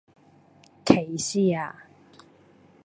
歧視呀?